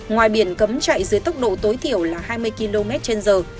ngoài biển cấm chạy dưới tốc độ tối thiểu là hai mươi km trên giờ